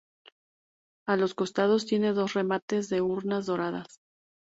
A los costados tiene dos remates de urnas doradas.